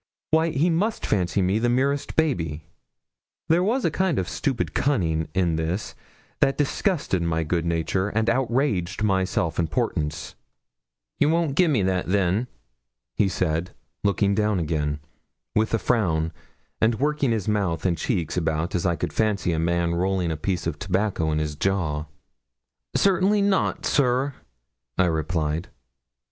Why, he must fancy me the merest baby. There was a kind of stupid cunning in this that disgusted my good nature and outraged my self importance. 'You won't gi'e me that, then?' he said, looking down again, with a frown, and working his mouth and cheeks about as I could fancy a man rolling a piece of tobacco in his jaw. 'Certainly not, sir,' I replied.